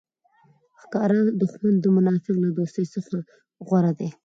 ښکاره دوښمن د منافق له دوستۍ څخه غوره دئ!